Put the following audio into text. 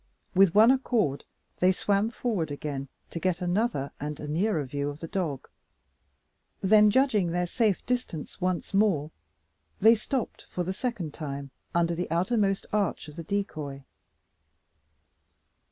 With one accord, they swam forward again, to get another and a nearer view of the dog; then, judging their safe distance once more, they stopped for the second time, under the outermost arch of the decoy.